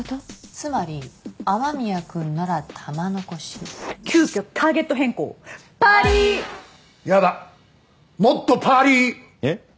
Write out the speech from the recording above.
つまり雨宮君なら玉のこし急きょターゲット変更パーリーやだノットパーリーえっ？